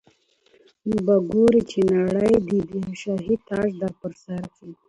نو به ګورې چي نړۍ دي د شاهي تاج در پرسر کي